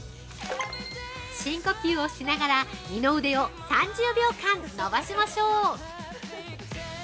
◆深呼吸をしながら二の腕を３０秒間伸ばしましょう。